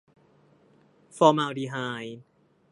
ฟอร์มาลดีไฮด์